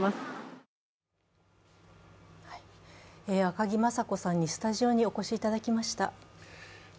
赤木雅子さんにスタジオにお越しいただきました。